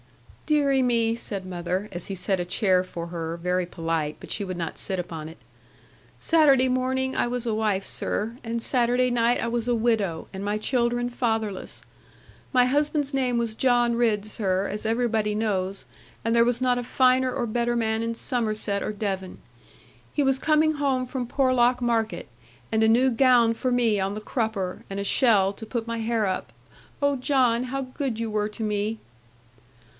'Deary me,' said mother, as he set a chair for her very polite, but she would not sit upon it; 'Saturday morning I was a wife, sir; and Saturday night I was a widow, and my children fatherless. My husband's name was John Ridd, sir, as everybody knows; and there was not a finer or better man in Somerset or Devon. He was coming home from Porlock market, and a new gown for me on the crupper, and a shell to put my hair up oh, John, how good you were to me!'